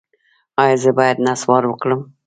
ایا زه باید نسوار وکړم؟